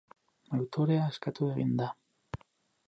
Autorea askatu egin da.